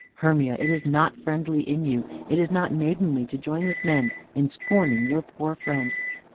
Hermia, it is not friendly in you, it is not maidenly to join with men in scorning your poor friend."